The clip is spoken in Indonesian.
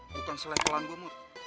bukan seleh pelan gue mut